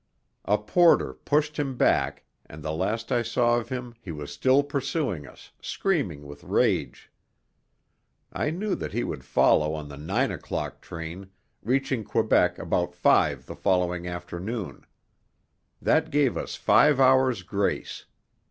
A porter pushed him back and the last I saw of him he was still pursuing us, screaming with rage. I knew that he would follow on the nine o'clock train, reaching Quebec about five the following afternoon. That gave us five hours' grace.